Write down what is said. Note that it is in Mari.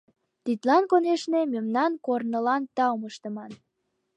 Тидлан, конешне, мемнан корнылан таум ыштыман.